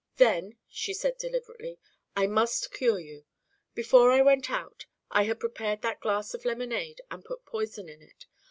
"Then," she said deliberately, "I must cure you. Before I went out, I had prepared that glass of lemonade and put poison in it.